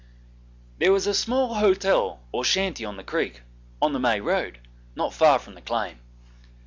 There was a small hotel or shanty on the creek, on the main road, not far from the claim.